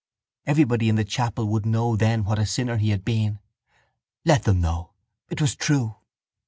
Everybody in the chapel would know then what a sinner he had been. Let them know. It was true.